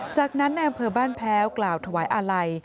จากนั้นในอำเภอบ้านแพ้วกล่าวถวายอาลัย